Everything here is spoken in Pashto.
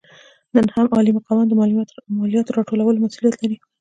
نن هم عالي مقامان د مالیاتو راټولولو مسوولیت لري.